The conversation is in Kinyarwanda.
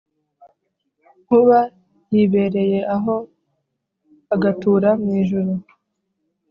Nkuba yibereye aho agatura mu ijuru,